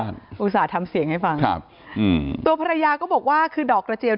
ก็อุตส่าห์ทำเสียงให้ฟังใช่ตัวภรรยาก็บอกว่าคือดอกกระเจล